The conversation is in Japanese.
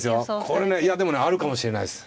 これねいやでもねあるかもしれないです。